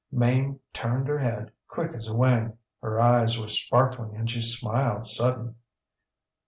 ŌĆÖ ŌĆ£Mame turned her head quick as a wing. Her eyes were sparkling and she smiled sudden.